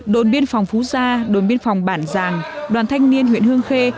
đồn biên phòng phú gia đồn biên phòng bản giàng đoàn thanh niên huyện hương khê